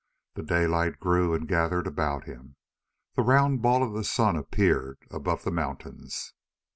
The daylight grew and gathered about him, the round ball of the sun appeared above the mountains.